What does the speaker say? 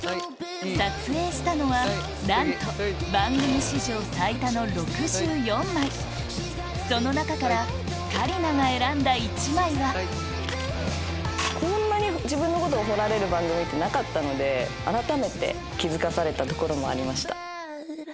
撮影したのはなんと番組史上最多の６４枚その中から香里奈が選んだ１枚はこんなに自分のことを掘られる番組ってなかったのであらためて気付かされたところもありました。